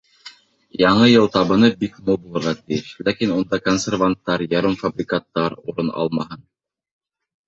Яңы йыл табыны бик мул булырға тейеш, ләкин унда консерванттар, ярымфабрикаттар урын алмаһын.